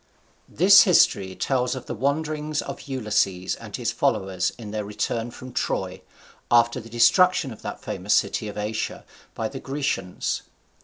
This history tells of the wanderings of Ulysses and his followers in their return from Troy, after the destruction of that famous city of Asia by the Grecians.